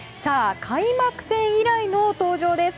開幕戦以来の登場です。